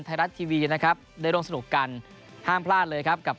ไทยรัฐทีวีนะครับได้ร่วมสนุกกันห้ามพลาดเลยครับกับ